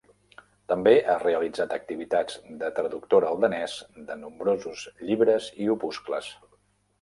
També ha realitzat activitats de traductora al danès de nombrosos llibres i opuscles.